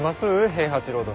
平八郎殿。